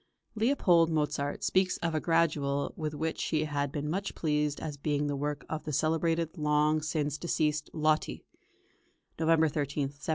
Leopold Mozart speaks of a Gradual with which he had been much pleased as being the work of "the celebrated long since deceased Lotti" (November 13, 1777).